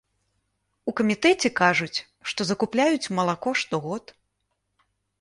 У камітэце кажуць, што закупляюць малако штогод.